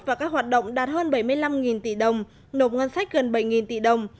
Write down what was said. và các hoạt động đạt hơn bảy mươi năm tỷ đồng nộp ngân sách gần bảy tỷ đồng